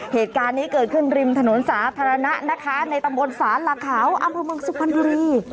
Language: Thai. เหตุการณ์นี้เกิดขึ้นริมถนนสาธารณะนะคะในตำบลศาลาขาวอำเภอเมืองสุพรรณบุรี